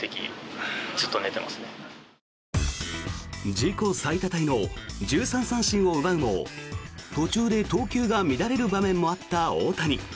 自己最多タイの１３三振を奪うも途中で投球が乱れる場面もあった大谷。